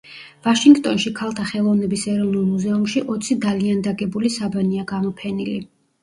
ვაშინგტონში ქალთა ხელოვნების ეროვნულ მუზეუმში ოცი დალიანდაგებული საბანია გამოფენილი.